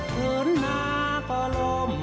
หุ่นหนาก็ลม